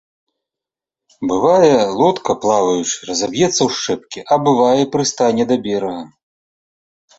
Бывае, лодка, плаваючы, разаб'ецца ў шчэпкі, а бывае, прыстане да берага.